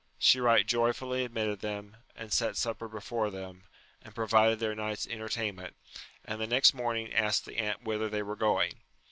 She right joyfully admitted them, and set supper before them, and pro vided their night's entertainment ; and the next morning asked the aunt whither they were going.